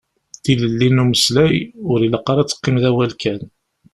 Tilelli n umeslay, ur ilaq ara ad teqqim d awal kan.